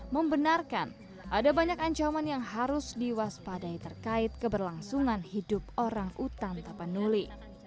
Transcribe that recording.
membenarkan ada banyak ancaman yang harus diwaspadai terkait keberlangsungan hidup orang utan tapanuli